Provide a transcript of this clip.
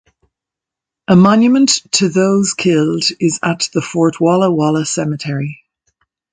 A monument to those killed is at the Fort Walla Walla Cemetery.